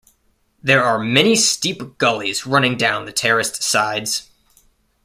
There are many steep gullies running down the terraced sides.